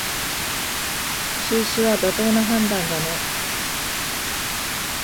中止は妥当な判断だね